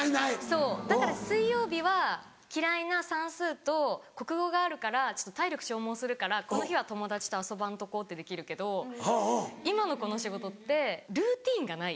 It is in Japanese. そうだから「水曜日は嫌いな算数と国語があるからちょっと体力消耗するからこの日は友達と遊ばんとこう」ってできるけど今のこの仕事ってルーティンがない。